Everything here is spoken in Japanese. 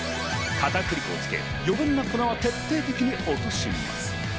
かたくり粉をつけ、余分な粉を徹底的に落とします。